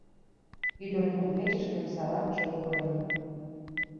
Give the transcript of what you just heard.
Ӱдырын кудывечышке савар гоч пурен